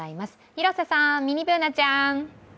広瀬さん、ミニＢｏｏｎａちゃん。